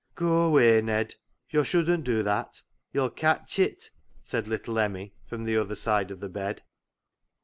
" Goa away, Ned ; yo' shouldn't do that. Yo'll catch it," said little Emmie from the other side of the bed.